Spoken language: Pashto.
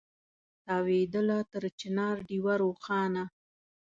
تاوېدله تر چنار ډېوه روښانه